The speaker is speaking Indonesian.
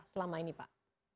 selama ini pak